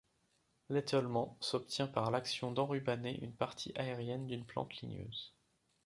L'étiolement s'obtient par l'action d'enrubanner une partie aérienne d'une plante ligneuse.